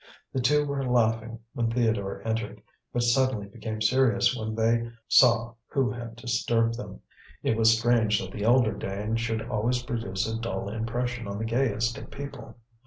The two were laughing when Theodore entered, but suddenly became serious when they saw who had disturbed them. It was strange that the elder Dane should always produce a dull impression on the gayest of people.